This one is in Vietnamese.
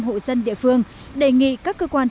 hộ dân địa phương đề nghị các cơ quan